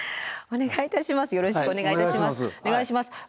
お願いいたします。